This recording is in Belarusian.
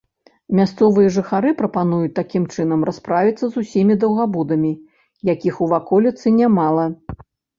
Мясцовыя жыхары прапануюць такім чынам расправіцца з усімі даўгабудамі, якіх у ваколіцы нямала.